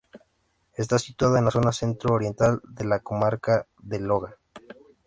Está situada en la zona centro-oriental de la comarca de Loja.